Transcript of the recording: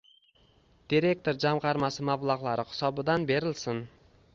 Direktor jamgʻarmasi mablagʻlari hisobidan berilsin